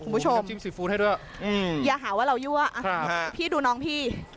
พี่ดูน้องพี่